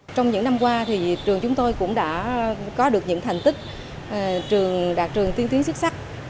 trong những năm qua thì trường chúng tôi cũng đã có được những thành tích trường đạt trường tiên tiến xuất sắc